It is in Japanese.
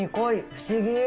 不思議。